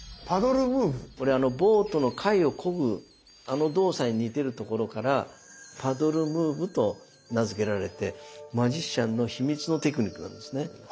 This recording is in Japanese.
ボートのかいをこぐあの動作に似てるところからパドル・ムーブと名付けられてマジシャンの秘密のテクニックなんですね。